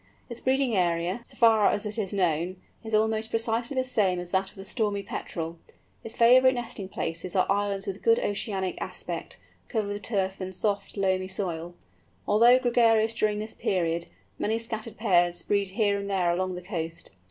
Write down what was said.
Its breeding area, so far as it is known, is almost precisely the same as that of the Stormy Petrel. Its favourite nesting places are islands with a good ocean aspect, covered with turf and soft, loamy soil. Although gregarious during this period, many scattered pairs breed here and there along the coast.